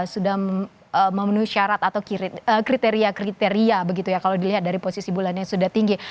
sudah memenuhi syarat atau kriteria kriteria kalau dilihat dari posisi bulannya sudah tinggi